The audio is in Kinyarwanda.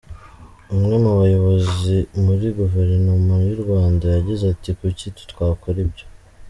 Umwe mu bayobozi muri Guverinoma y’u Rwanda, yagize ati “kuki twakora ibyo?